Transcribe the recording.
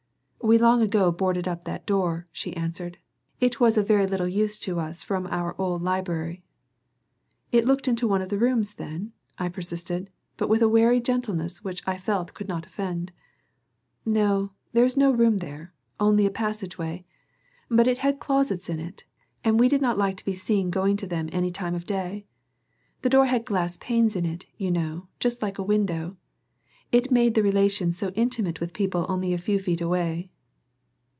"We long ago boarded up that door," she answered. "It was of very little use to us from our old library." "It looked into one of the rooms then?" I persisted, but with a wary gentleness which I felt could not offend. "No; there is no room there, only a passageway. But it has closets in it, and we did not like to be seen going to them any time of day. The door had glass panes in it, you know, just like a window. It made the relations so intimate with people only a few feet away."